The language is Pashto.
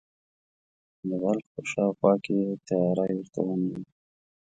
د بلخ په شاوخوا کې یې تیاری ورته ونیوی.